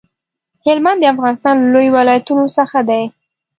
هلمند د افغانستان له لويو ولايتونو څخه دی.